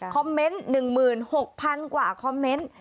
คอมเมนต์๑๖๐๐๐กว่าคอมเมนต์